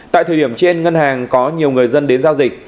tại thời điểm trên ngân hàng có nhiều người dân đến giao dịch